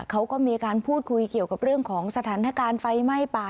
เขาก็มีการพูดคุยเกี่ยวกับเรื่องของสถานการณ์ไฟไหม้ป่า